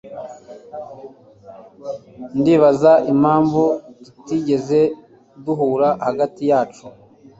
Ndibaza impamvu tutigeze duhura hagati yacu